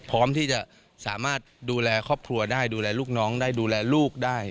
พร้อมที่จะสามารถดูแลครอบครัวได้ดูแลลูกน้องได้ดูแลลูกได้